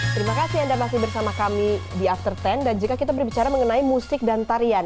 terima kasih anda masih bersama kami di after sepuluh dan jika kita berbicara mengenai musik dan tarian